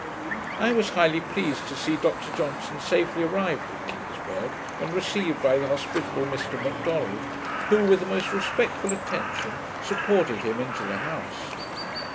I was highly pleased to see Dr Johnson safely arrived at Kingsburgh, and received by the hospitable Mr Macdonald, who, with a most respectful attention, supported him into the house.